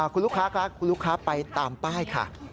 คุณลูกค้าคะคุณลูกค้าไปตามป้ายค่ะ